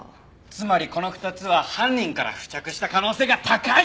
つまりこの２つは犯人から付着した可能性が高い！